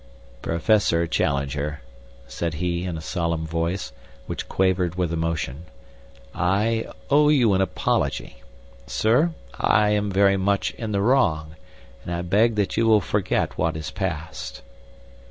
"Professor Challenger," said he, in a solemn voice, which quavered with emotion, "I owe you an apology. Sir, I am very much in the wrong, and I beg that you will forget what is past."